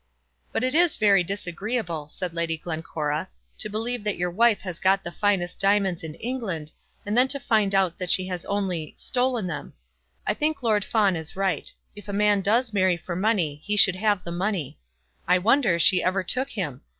"But it is very disagreeable," said Lady Glencora, "to believe that your wife has got the finest diamonds in England, and then to find that she has only stolen them. I think Lord Fawn is right. If a man does marry for money he should have the money. I wonder she ever took him.